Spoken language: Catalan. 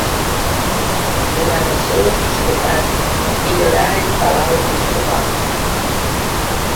Durant el seu episcopat millorà el palau episcopal.